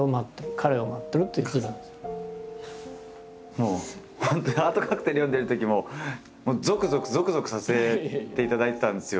もう本当に「ハートカクテル」読んでるときもゾクゾクゾクゾクさせていただいてたんですよ